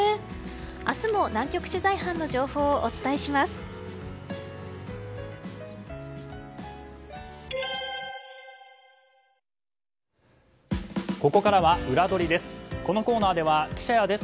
明日も南極取材班の情報をお伝えいたします。